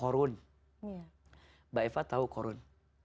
mbak eva tahu korun